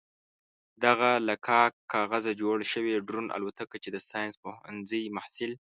دغه له کاک کاغذه جوړه شوې ډرون الوتکه چې د ساينس پوهنځي محصل